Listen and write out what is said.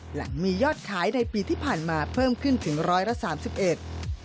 หลังมียอดขายในปีที่ผ่านมาเพิ่มขึ้นถึง๑๓๑ล้านบาท